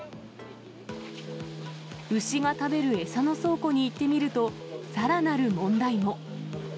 牛が食べる餌の倉庫に行ってみると、さらなる問題も。